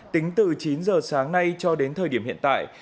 tính từ chín giờ sáng nay cho đến thời điểm hiện tại